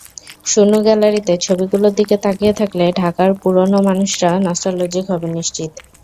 শূন্য গ্যালারিতে ছবিগুলোর দিকে তাকিয়ে থাকলে ঢাকার পুরোনো মানুষেরা নস্টালজিক হবেন নিশ্চিত।